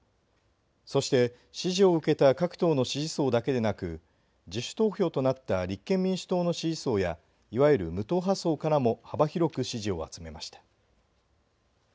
そして支持を受けた各党の支持層だけでなく自主投票となった立憲民主党の支持層やいわゆる無党派層からも幅広く支持を集めました。